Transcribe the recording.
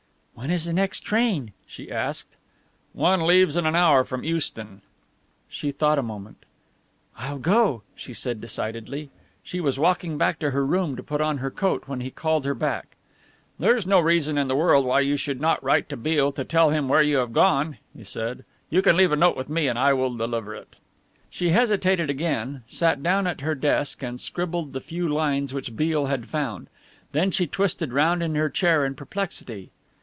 "When is the next train?" she asked. "One leaves in an hour from Euston." She thought a moment. "I'll go," she said decidedly. She was walking back to her room to put on her coat when he called her back. "There's no reason in the world why you should not write to Beale to tell him where you have gone," he said. "You can leave a note with me and I will deliver it." She hesitated again, sat down at her desk and scribbled the few lines which Beale had found. Then she twisted round in her chair in perplexity.